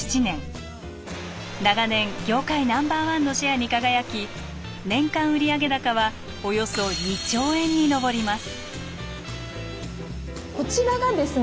長年業界ナンバーワンのシェアに輝き年間売上高はおよそ２兆円に上ります。